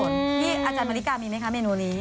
นี่อาจารย์มาริกามีไหมคะเมนูนี้